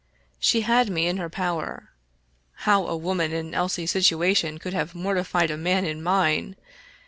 She had me in her power — ^how a woman in Elsie's situation could have mortified a man in mine!